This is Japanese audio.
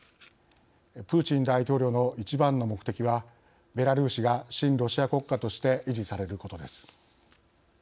プーチン大統領の一番の目的はベラルーシが親ロシア国家として維持されることです。